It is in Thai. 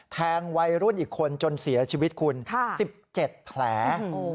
แทงวัยรุ่นอีกคนจนเสียชีวิตคุณ๑๗แผล